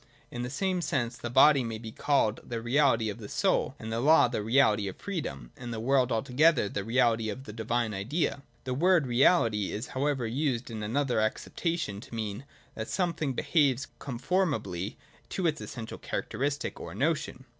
In the same sense the body may be called the realitj' of the soul, and the law the reality of freedom, and the world altogether the reality of the divine idea. The word ' reality ' is however used in another acceptation to mean that some thing behaves conformably to its essential characteristic or notion.